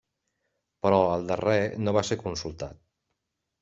Però el darrer no va ser consultat.